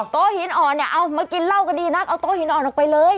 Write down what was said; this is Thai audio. โต๊ะหินอ่อนเนี่ยเอามากินเหล้ากันดีนักเอาโต๊หินอ่อนออกไปเลย